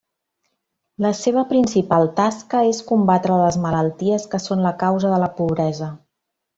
La seva principal tasca és combatre les malalties que són la causa de la pobresa.